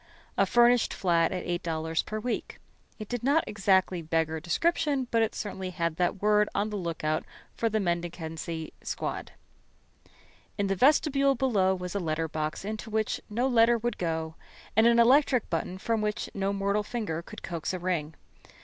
A furnished flat at $8 per week. It did not exactly beggar description, but it certainly had that word on the lookout for the mendicancy squad. In the vestibule below was a letter box into which no letter would go, and an electric button from which no mortal finger could coax a ring.